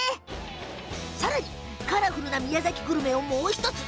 さらにカラフルな宮崎グルメをもう１つ。